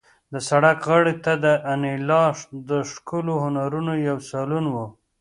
د سړک غاړې ته د انیلا د ښکلو هنرونو یو سالون و